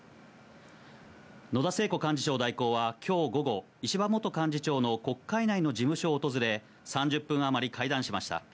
野田聖子幹事長代行はきょう午後、石破元幹事長の国会内の事務所を訪れ、３０分余り会談しました。